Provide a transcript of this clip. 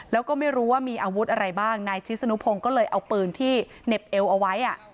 แล้วก็ไม่รู้ว่ามีอาวุธอะไรบ้างนายชิสนุพงศ์ก็เลยเอาปืนที่เหน็บเอวเอาไว้